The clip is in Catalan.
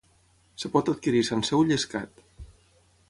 Es pot adquirir sencer o llescat.